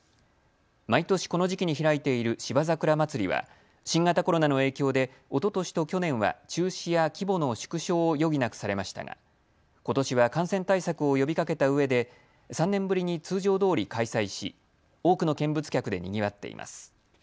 毎年、この時期に開いている芝桜まつりは新型コロナの影響でおととしと去年は中止や規模の縮小を余儀なくされましたがことしは感染対策を呼びかけたうえで３年ぶりに通常どおり開催し多くの見物客で賑わっています。